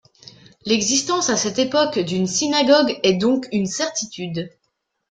L'existence à cette époque d'une synagogue est donc une certitude.